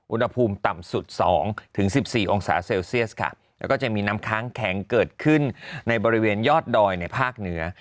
อุณหภูมิต่ำสุด๒๑๔องศาเซลเซียสค่ะแล้วก็จะมีน้ำค้างแข็งเกิดขึ้นในบริเวณยอดดอยในภาคเหนือ